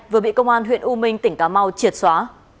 vừa bị công an huyện u minh tỉnh cà mau triệt xóa